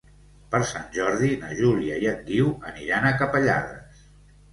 Per Sant Jordi na Júlia i en Guiu aniran a Capellades.